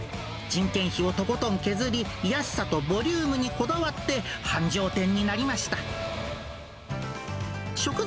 人件費をとことん削り、安さとボリュームにこだわって、繁盛店になりました。